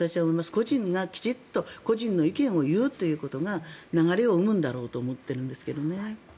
個人がきちんと個人の意見を言うということが流れを生むんだろうと思ってるんですけどね。